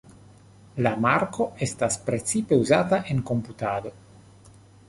La marko estas precipe uzata en komputado.